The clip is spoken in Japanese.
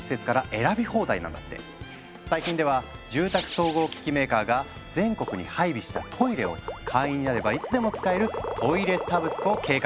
最近では住宅総合機器メーカーが全国に配備したトイレを会員になればいつでも使える「トイレサブスク」を計画中なんですって。